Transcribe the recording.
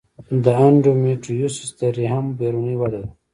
د انډومیټریوسس د رحم بیروني وده ده.